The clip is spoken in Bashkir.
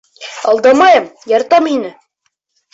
— Алдамайым, яратам һине.